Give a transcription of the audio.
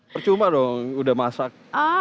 percuma dong sudah masak